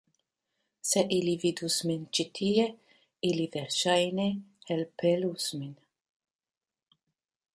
Se ili vidus min ĉi tie, ili verŝajne elpelus min.